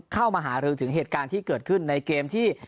เข้ามาหารือถึงเหตุการณ์ที่เกิดขึ้นในเกมที่